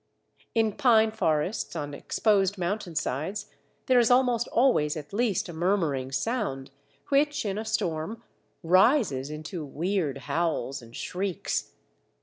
In Pine forests on exposed mountain sides there is almost always at least a murmuring sound, which in a storm rises into weird howls and shrieks.